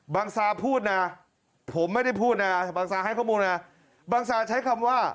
บางซ่าพูดนะผมไม่ได้พูดนะบางซ่าใช้คำว่า